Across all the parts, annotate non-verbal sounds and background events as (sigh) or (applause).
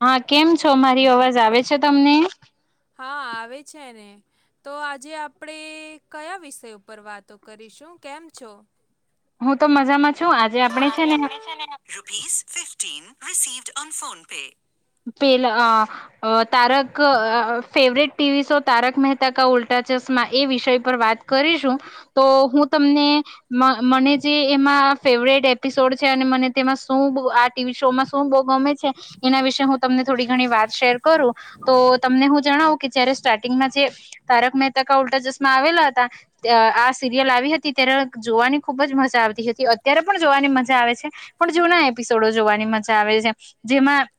હા કેમ છો મારી અવાજ આવે. છે તમને હા આવે છે ને તો આજે આપણે કયા વિષય ઉપર વાત તો કરી શું કેમ છો? હું તો મજામાં. આજે આપણે છે ને rupees fifteen received on PhonePe પેલા Tarak favourite TV show Tarak Mehta કા ઉલ્ટા ચશ્મા એ વિષય પર વાત કરીશું તો હું તમને મને જે એમાં ફેવરેટ એપિસોડ છે અને મને તેમાં શું આ ટીવી શો માં શું બહુ ગમે છે એના વિશે હું તમને થોડી ઘણી વાત શેર કરું તો તમને હું જણાવું કે જયારે સ્ટાર્ટિંગમાં જે તારક મહેતાકા ઉલ્ટા ચશ્મા આવેલા હતા આ સિરિયલ આવી હતી ત્યારે જોવાની ખુબ જ મજા આવતી હતી અત્યારે પણ જોવાની મજા આવે છે પણ જૂના એપિસોડો જોવાની મજા આવે છે જેમાં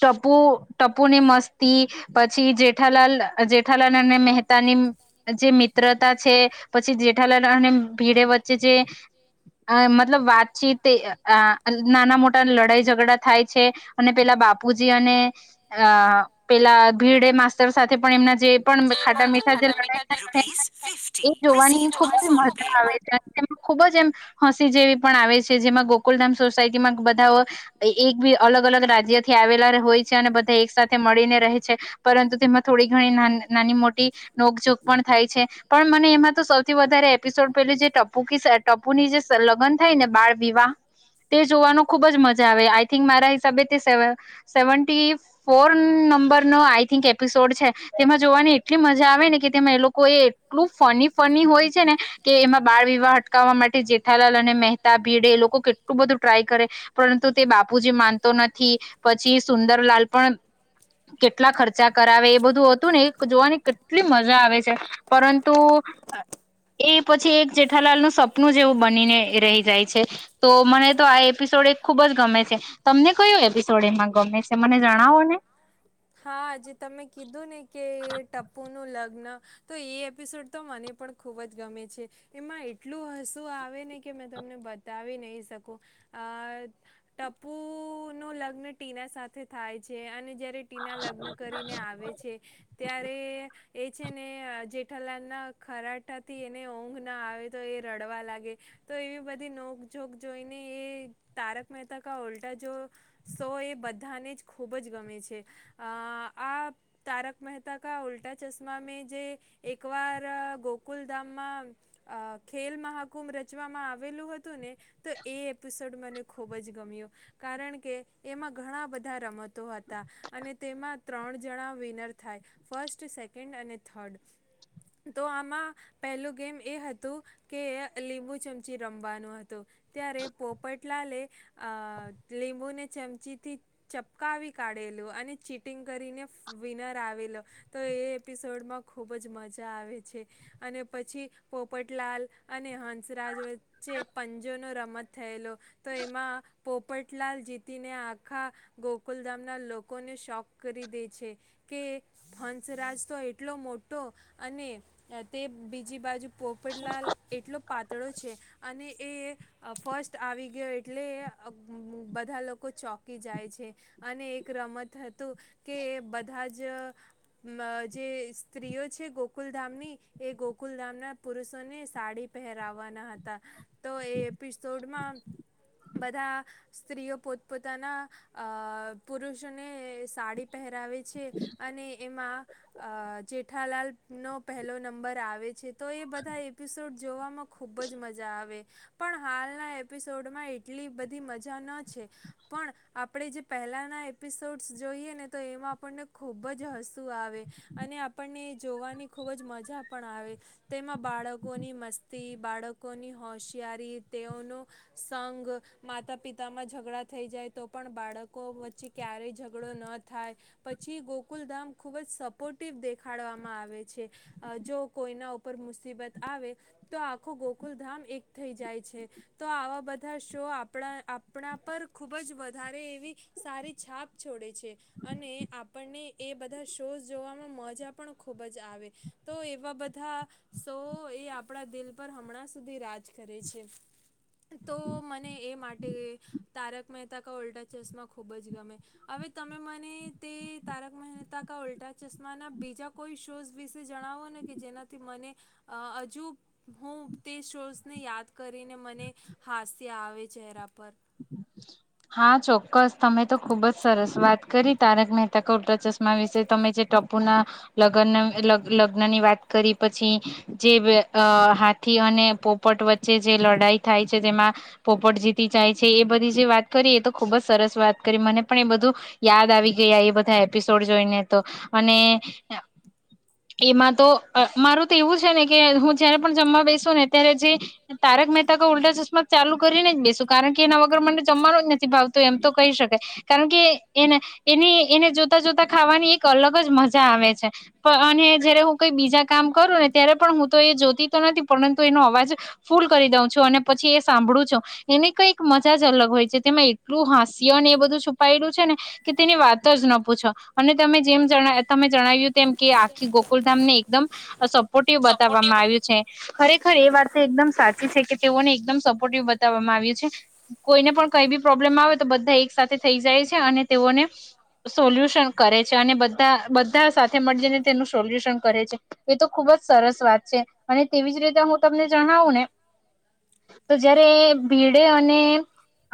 ટપુ ટપુ ની મસ્તી પછી જેઠાલાલ જેઠાલાલ અને મહેતાની જે મિત્રતા છે પછી જેઠાલાલ અને ભીડે વચ્ચે જે મતલબ વાતચીત નાના મોટા લડાઈ ઝઘડા થાય છે. અને પેલા બાપુજી અને અ પેલા ભીડે માસ્તર સાથે પણ એમના જે પણ ખાટા મીઠા જે લડાઈ થાય છે એ જોવાની ખુબ જ મજા આવે છે અને તેમાં ખૂબ જ એમ હસી જેવી પણ આવે છે જેમાં ગોકુલધામ સોસાયટીમાં બધા એક બી અલગ અ અલગ રાજ્યથી આવેલા હોય છે અને બધા એક સાથે મળીને રહે છે પરંતુ તેમાં થોડી ઘણી નાની મોટી નોકજોક પણ થાય છે પણ મને એમાં તો થી વધારે એપિસોડ પેું ટપુ ટપુની જે લગન થાય ને બાળ વિવાહ તે જોવાનું ખુબ જ મજા આવે આઈ થિંક મારા સેવ ફોર નંબર ન આઈ થિક એપિસોડ છે તેમાં જોવાની એટલી મજા આવે ને કે તેમાં એ લોકો એ એટલું ફની ફની હોય. કે એમાં બાળ વિવાહ અટકાવવા માટે જેઠાલાલ અને મહેતા ભીડે એ લોકો કેટલું બધું ટ્રાય કરે પરંતુ તે બાપુ જે માન તો નથી પછી સુંદરલાલ પણ કેટલા ખર્ચા કરાવે એ બધું હતું ને જોવાની કેટલી મજા આવે છે. પરંતુ એ પછી એક જેઠાલાલનું સપનું જેવું બનીને રહી જાય છે તો મને તો આ એપિસોડ એક ખુબ જ ગમે છે. તમને કયું એપિસોડ એમાં ગમે છે મને જણાવો ને. હાજ તમે કીધું ને કે ટપુ નું લગ સડ તો મને પણ ખૂબ જ ગમે છે એમાં એટલું હસું આવે ને કે મે તમને બતાવી નહીક ટપુ ન લગ્ન ટીના સાથે થાય છે અને ના લગ્ન કરીને આવે છે ત્યારે એ છે ને જેઠાલાના ખરાઠાથી એને ઊંઘ ના આવે તો એ રડવા લાગે તો એવી બધી નોકજક જોઈને એ તારક મહેતા ક ઉલ્ટા જો શો એ બધાને જ ખૂબ જ ગમે છે. અ આ તારક મહેતા ક ઉલ્ટા ચશ્મા મે જે એકવાર ગોકુલધામમાં ખેલ મહાકુંભ રચવામાં આવેલું હતું ને તો એ એપિસોડ મને ખુબ જ ગમ્યો કારણ કે એમાં ઘણા બધા રમતો હતા. અને તેમાં ત્રણ જણા વિનર થાય ફર્સ્ટ સેકન્ડ અને થર્ડ તો આમાં પહેલું ગેમ એ હતું કે લીંબુ ચમચી રમવાનું હતું ત્યારે પોપટલાલે લીંબુને ચમચીથી ચપકાવી કાઢેલું. અને ચીટિંગ કરીને વિનર આવેલો તો એ એપિસોડમાં ખૂબ જ મજા આવે છે અને પછી પોપટલાલ અને હંસરાજ વચ્ચે પંજોનો રમત થયેલો. તો એમાં પોપટલાલ જીતીને આખા ગોકુલધામના લોક કોને શોક કરી દે છે, કે હંસરાજ તો એટલો મોટો અને તે બીજી બાજુ પોપટલા એટલો પાતળો છે. અને એ અહ ફસ્ટ આવી ગયો એટલે અમ્મ બધા લોકો ચોકી જાય છે, અને એક રમત હતું કે બધા જ મ જે સ્ત્રીઓ છે ગોકુલધામની, એ ગોકુલધામ ના પુરુષોને સાડી પહેરાવાના હતા. તો એ એપિસોડમાં બધા સ્ત્રીઓ પોતપોતાના અહ પુરુષોને સાડી પહેરાવી છે. અને એમાં અહ જેઠાલાલ નો પહેલો નંબર આવે તો એ બધા એપિસોડ જોવામાં ખૂબ જ મજા આવે. પણ હાલના એપિસોડમાં એટલી બધી મજા ન છે, પણ આપણે જે પહેલા ના એપિસોડસ જોઈએ ને તો એમાં આપણને ખૂબ જ હસું આવે, અને આપણને એ જોવાની ખૂબ જ મજા પણ આવે, તેમાં બાળકોની મસ્તી, બાળકોની હોશિયારી, તેઓનો સંઘ, માતા પિતામાં ઝઘડા થઈ જાય તો પણ બાળકો વચ ચે ક્યારેય ઝઘડો ન થાય, પછી ગોકુલધામ ખુબ જ સપોર્ટિવ દેખાડવામાં આવે છે. અહ જો કોઈના ઉપર મુસીબત આવે તો આખો ગોકુલધામ એક થઈ જાય છે. તો આવા બધા શો આપણા-આપણા પર ખુબ જ વધારે એવી સારી છાપ છોડે છે, અને આપણને એ બધા શોઝ જોવામાં મજા પણ ખૂબ જ આવે, તો એવા બધા શો એ આપણા દિલ પર હમણાં સુધી રાજ કરે છે. તો મને એ માટે તારક મહેતા કા ઉલ્ટા ચશ્મા ખૂબ જ ગમે. હવે તમે મને તે તારક મહેતા કા ઉલ્ટા ચશ્માના બીજા કોઈ શોઝ વિશે જણાવો ને કે જેનાથી મને અહ હજુ હું તે શોઝ ને યાદ કરીને મને હાસ્ય આવે ચહેરા હા ચોક્કસ. તમે તો ખુબ જ સરસ વાત કરી. તારક મહેતા કા ઉલ્ટા ચશ્મા વિશે તમે જે ટપુના લગન લગ લગ્ન ની વાત કરી પછી, જે વ અહ હાથી અને પોપટ વચ્ચે જે લડાઈ થાય છે, જેમાં પોપટ જીતી જાય છે એ બધી જે વાત કરી એ તો ખુબ જ સરસ વાત કરી, મને પણ એ બધું યાદ આવી ગયા એ બધા એપિસોડ જોઈને તો, અને એમાં તો મારું તો એવું છે ને કે હું જયારે પણ જમવા બેસુ ને ત્યારે જે તારક મહેતા કા ઉલ્ટા ચશ્મા ચાલુ કરીને જ બેસું. કારણ કે એના વગર મને જમવાનો જ નથી ભાવતું એમ તો કહી શકાય, કારણ કે એને એની એને જોતા-જોતા ખાવાની એક અલગ જ મજા આવે છે, પ અને જયારે હું કઈ બીજા કામ કરું ને ત્યારે પણ હું તો એ જોતી તો નથી પરંતુ એનો અવાજ ફૂલ કરી દઉં છું, અને પછી એ સાંભળું છું. એની કંઈક મજા જ અલગ હોય છે, તેમાં એટલું હાસ્ય ને એ બધું છુપાયેલું છે ને કે તેની વાત જ ન પૂછો, અને તમે જેમ જણા તમે જણાવ્યું તેમ કે આખી ગોકુલધામ ને એકદમ (unintelligible) ટિવ બતાવવામાં આવ્યું છે. ખરેખર એ વાત તો એકદમ સાચી છે, કે તેઓને એકદમ સપોર્ટિવ બત આવ કોઈને પણ કઈ બી પ્રોબ્લેમ આવે તો બધા એક સાથે થઈ જાય છે અને તેઓને સોલ્યુશન કરે છે અનેા બધા સાથે મળી જઈને તેનું સોલ્યુશન કરે છે એ તો ખુબ જ સરસ વાત છે અને તેવી જ રીતે હું તમને જણાવું ને તો જયારે ભીડે અને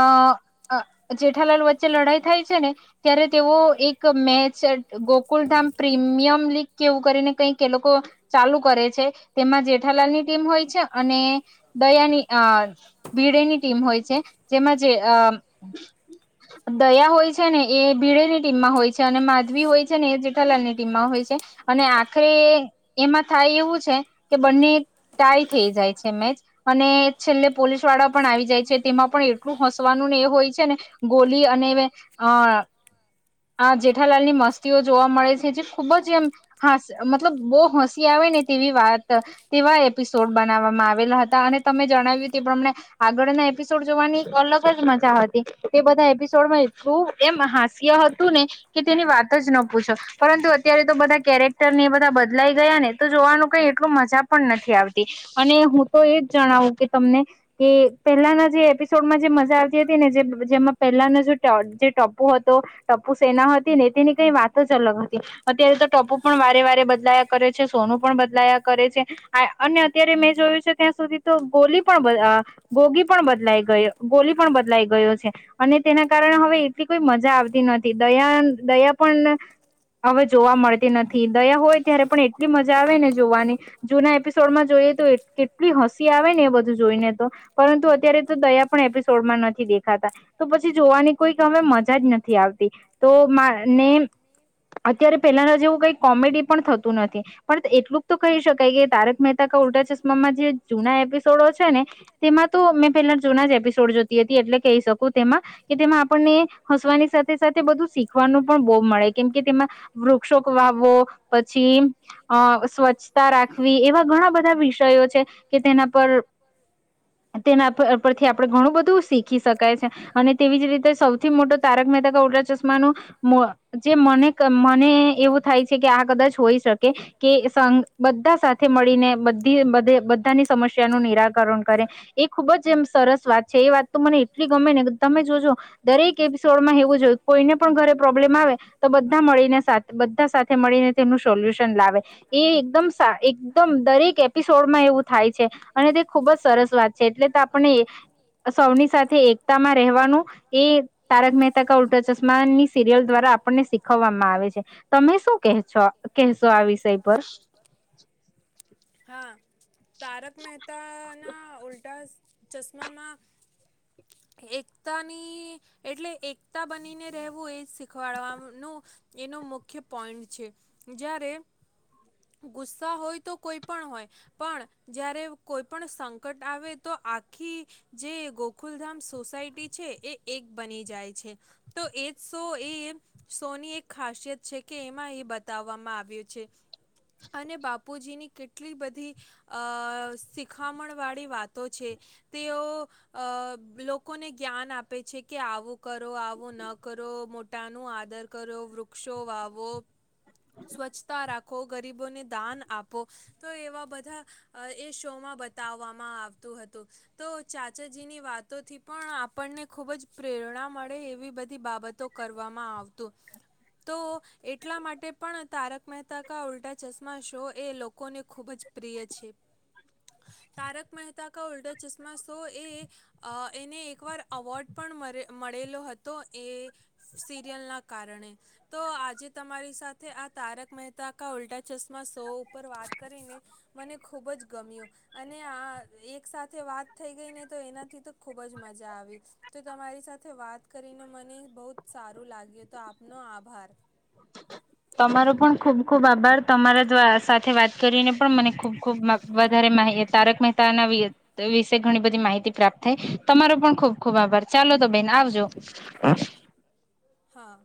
અ જેઠાલાલ વચ્ચે લડાઈ થાય છે ને ત્યારે તેઓ એક મેચ ગોકુલધામ પ્રીમિયમ લીગ કેવું કરીને કઈક એ લોકો ચાલુ કરે છે તેમાં જેઠાલાલ ની ટીમ હોય છે અને દયાની ભીડેની ટીમ હોય છે જેમાં જે દયા હોય છે ને એ ભીડેની ટીમમાં હોય છે અને માધવી હોય છે ને એ જેઠાલાલની ટીમમાં હોય છે અને આખરે એમાં થાય એવું છે કે બંને ટાઈ થઈ જાય છે મેચ અને છેલ્લે પોલીસ ડા પણ આવી જાય છે તેમાં પણ એટલું હસવાનું ને એ હોય છે ને ગોલી અને અ આ જેઠાલાલ ની મસ્તીઓ જોવા મળે છે જે ખુબ જ એમ હ મતલબ બહુ હસી આવે ને તેવી વાત તેવા એપિસોડ બનાવવામાં આવેલા હતા અને તમે જણાવ્યું તે પ્રમણે આગળના એપિસોડ જોવાની અલગ જ મજા હતી તે બધા એપિસોડમાં એટલું એમ હાસ્ય હતું ને કે તેની વાત જ ન પૂછો પરંતુ અત્યારે તો બધા કેરેક્ટર ને બધા બદલાઈ ગયા ને તો જોવાનું કઈ એટલું મજા પણ નથી આવતી અને હું તો એજ જણાવું કે તમને કે પહેલાના જે એપિસોડમાં જે મજા આવતી હતી ને જે જેમાં પહેલાના જે ટોપો તો ટપુ સેના હતી ને તેની કઈ વાતો જ અલગ હતી અત્યારે તો ટપુ પણ વારે વારે બદલાયા કરે છે સોનું પણ બદલાયા કરે છે અને અત્યારે મેં જોયું છે ત્યાં સુધી તો ગોલી પણ ગોગી પણ બદલાઈ ગઈ ગોલી પણ બદલાઈ ગયો છે અને તેના કારણે હવે એટલી કોઈ મજા આવતી નથી દયા દયા પણ હવે જોવા મળતી નથી દયા હોય ત્યારે પણ એટલી મજા આવે ને જોવાની જૂના એપિસોડમાં જોઈએ તો કેટલી હસી આવે ને એ બધું જોઈને તો પરંતુ અત્યારે તો દયા પણ એપિસોડમાં નથી દેખાતા તો પછી જોવાની કોઈ અમે મજા જ નથી આવતી તોને અત્યારે પેલાના જેવું કઈ કોમેડી પણ થતું નથી પણ એટલું જ તો કહી શકાય કે તાર મહેતા ક ઉલ્ટા ચશ્મામાં જે જૂના એપિસોડો છે ને તો મેં પહેલા જૂના જ એપિસોડ જોતી હતી એટલે કહી શકું તેમાં કે તેમાં આપણને હસવાની સાથે સાથે બધું શીખવાનું પણ બોબ મળે કેમકે તેમાં વૃક્ષોક વાવવો પછી સ્વચ્છતા રાખવી. બધા વિષયો છે કે તેના પર તેના પરથી આપડે ઘણું બધું શીખી શકાય છે અને તેવી જ રીતે સૌથી મોટો તારક મહેતા ક ઉરા ચશ્માનું જે મને મને એવું થાય છે કે આ કદાચ હોઈ શકે કે બધા સાથે મળીને બધાની સમસ્યાનું નિરાકરણ કરે એ ખુબ જ એમ સરસ વાત છે એ વાત તો મને એટલી ગમે ને તમે જોજો દરેક એપિસોડમાં હોવું જોઈએ કોઈને પણ ઘરે પ્રોબ્લેમ આવે તો બધા મળીને બધા સાથે મળીને તેમનું સોલ્યુશન લાવે એ એકદમ. એકદમ દરેક એપિસોડમાં એવું થાય છે અને તે ખુબ જ સરસ વાત છે એટલે તો આપણે સૌની સાથે એકતામાં રહેવાનું એ તારક મહેતા ક ઉલ્ટા ચશ્માની સિરિયલ દ્વારા આપને શીખવવામાં આવે છે તમે શું કો કહેશો આ વિષય પર. (inaudible) હા. તારક મહેતા ના ઉલટા ચશ્મામાં એકતાની એટલે એકતા બનીને રહેવું એ શીખવાડવાનો એનો મુખ્ય પોઈન્ટ છે, જ્યારે ગુસ્સા હોય તો કોઈ પણ હોય, પણ જયારે કોઈ પણ સંકટ આવે તો આખી જે ગોકુલધામ સોસાયટી છે, એ એક બની જાય છે. તો એજ શો એ શો ની એક ખાસિયત છે કે એમાં એ બતાવવામાં આવ્યું છે. અને બાપ પુજીની કેટલી બધી અહ શિખામણ વાળી વાતો છે, તેઓ અહ લોકોને જ્ઞાન આપે છે કે આવું કરો, આવું ન કરો, મોટા નું આદર કરો, વૃક્ષો વાવો, સ્વચ્છતા રાખો, ગરીબોને દાન આપો, તો એવા બધા એ શોમાં બતાવવામાં આવતું હતું. તો ચાચાજીની વાતોથી પણ આપણને ખૂબ જ પ્રેરણા મળે એવી બધી બાબતો કરવામાં આવતું. તો એટલા માટે પણ તારક મહેતા કા ઉલ્ટા ચશ્મા શો એ લોકોને ખૂબ જ પ્રિય છે. તારક મહેતા કા ઉલ્ટા ચશ્મા શો એ અહ એને એકવાર અવોર્ડ પણ મળ મળેલો હતો, એ સિરિયલના કારણે, તો આજે તમારી સાથે આ તારક મહેતા કા ઉલ્ટા ચશ્મા શો ઉપર વાત કરીને મને ખુબ જ ગમ્યું, અને આ એક સાથે વાત થઈ ગઈને તો એનાથી તો ખુબ જ મજા આવી. તો તમારી સાથે વાત કરીને મને બહું જ સારું લાગ્યું, તો આપનો આભાર. તમારો પણ ખુબ-ખુબ આભાર. તમારા જ સાથે વાત કરીને પણ મને ખુબ-ખુબ મ વધારે માહિ તારક મહેતાના વિશે ઘણી બધી માહિતી પ્રાપ્ત થઈ. તમારો પણ ખુબ-ખુબ આભાર. ચાલો તો બેન આવજો. હા.